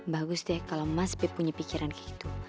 bagus deh kalau mas pip punya pikiran gitu